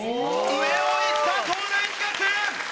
上をいった東大寺学園！